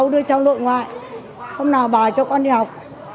sáu đứa cháu nội ngoại hôm nào bà cho con đi học